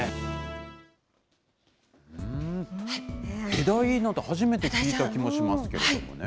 ヘダイなんて初めて聞いた気もしますけれどもね。